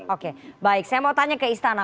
oke baik saya mau tanya ke istana